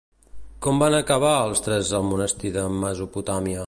Com van acabar els tres al monestir de Mesopotamia?